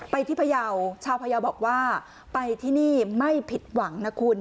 ที่พยาวชาวพยาวบอกว่าไปที่นี่ไม่ผิดหวังนะคุณ